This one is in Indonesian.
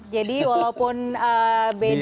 jadi walaupun beda